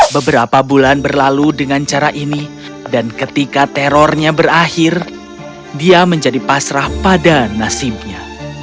beberapa bulan berlalu dengan cara ini dan ketika terornya berakhir dia menjadi pasrah pada nasibnya